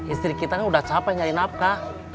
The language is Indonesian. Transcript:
istri kita ini udah capek nyari nafkah